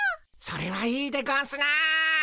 それはいいでゴンスな。